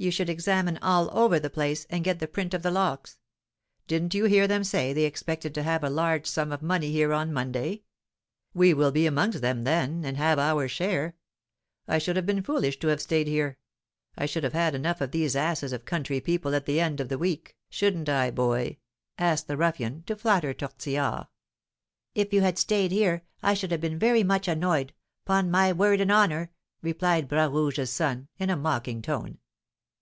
You should examine all over the place, and get the print of the locks. Didn't you hear them say they expected to have a large sum of money here on Monday? We will be amongst them then, and have our share. I should have been foolish to have stayed here; I should have had enough of these asses of country people at the end of a week, shouldn't I, boy?" asked the ruffian, to flatter Tortillard. "If you had stayed here I should have been very much annoyed, 'pon my word and honour," replied Bras Rouge's son, in a mocking tone.